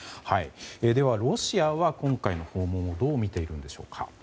では、ロシアは今回の訪問をどう見ているんでしょうか。